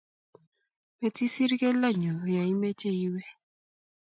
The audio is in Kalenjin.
Mtisir keldo nyu ya imeche iwe